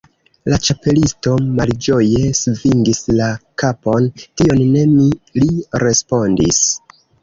La Ĉapelisto malĝoje svingis la kapon. "Tion ne mi," li respondis.